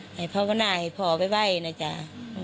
ให้ภาวนาให้พ่อไปไหว้นะจ๊ะ